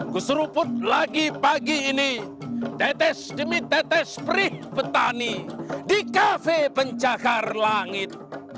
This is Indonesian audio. ku seruput lagi pagi ini detes demi detes perih petani di kafe pencakar langit